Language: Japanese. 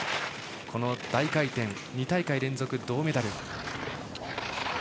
この大回転、２大会連続銅メダル。